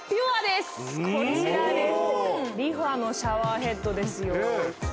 ＲｅＦａのシャワーヘッドですよ。